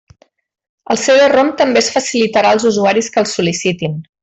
El CD-ROM també es facilitarà als usuaris que el sol·licitin.